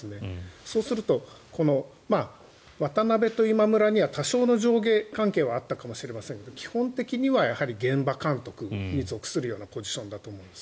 そうすると、渡邉と今村には多少の上下関係はあったかもしれませんが基本的には現場監督に属するようなポジションだと思うんです。